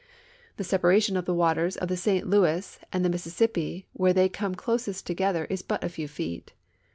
The separation of the waters of the St I^ouis and the Mississippi where they come closest together is but a few feet.